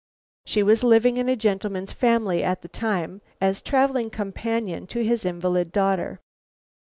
She was living in a gentleman's family at that time as travelling companion to his invalid daughter."